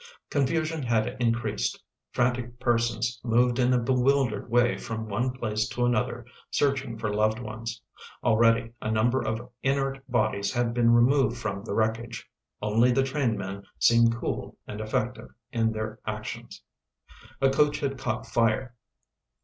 Confusion had increased. Frantic persons moved in a bewildered way from one place to another, searching for loved ones. Already a number of inert bodies had been removed from the wreckage. Only the trainmen seemed cool and effective in their actions. A coach had caught fire.